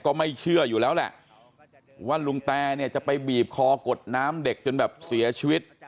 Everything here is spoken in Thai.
ก็ไม่เชื่ออยู่แล้วแหละว่าลุงแตเนี่ยจะไปบีบคอกดน้ำเด็กจนแบบเสียชีวิต